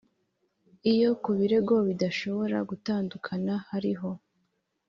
Iyo ku birego bidashobora gutandukana hariho